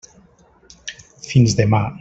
Fins demà!